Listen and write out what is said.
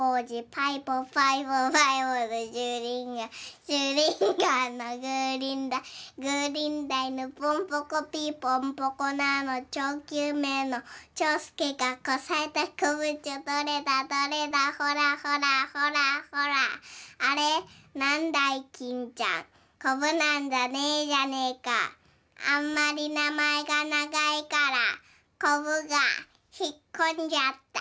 パイポパイポパイポのシューリンガンシューリンガンのグーリンダイグーリンダイのポンポコピーのポンポコナのちょうきゅうめいのちょうすけがこさえたこぶちゃどれだどれだほらほらほらほらあれなんだいきんちゃんこぶなんかねえじゃねえかあんまりなまえがながいからこぶがひっこんじゃった」。